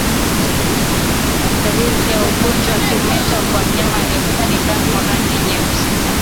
Dalili za ugonjwa wa kimeta kwa mnyama aliyekufa ni damu yenye rangi nyeusi